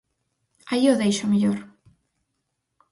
Aí o deixo, mellor.